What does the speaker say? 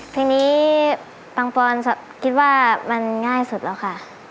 เพลงนี้ปังปอนคิดว่ามันง่ายสุดแล้วค่ะ